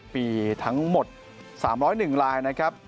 มีทั้งหมด๓๐๑ลายนะครับ